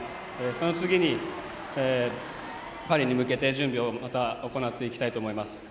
その次にパリに向けて準備をまた行っていきたいと思います。